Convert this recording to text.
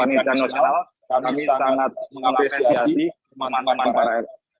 jadi pak nita nusmal kami sangat mengapresiasi teman teman para